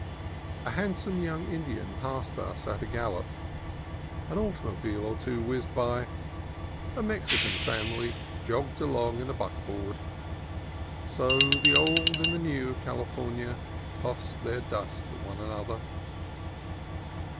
A handsome young Indian passed us at a gallop; an automobile or two whizzed by ; a Mexican family jogged along in a buckboard ; so the old and the new California toss their dust at one another.